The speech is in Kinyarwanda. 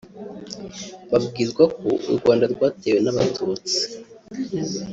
Babwirwa ko u Rwanda rwatewe n’Abatutsi